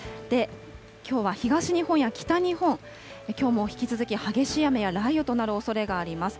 きょうは東日本や北日本、きょうも引き続き激しい雨や雷雨となるおそれがあります。